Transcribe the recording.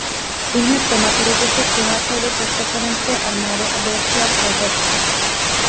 Ihned po maturitě se přihlásil do československé armády a byl přijat k letectvu.